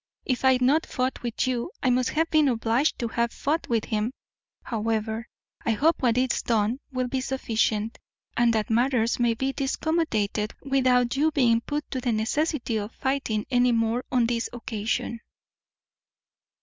If I had not fought with you, I must have been obliged to have fought with him; however, I hope what is done will be sufficient, and that matters may be discomodated without your being put to the necessity of fighting any more on this occasion."